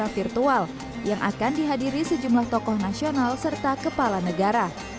virtual yang akan dihadiri sejumlah tokoh nasional serta kepala negara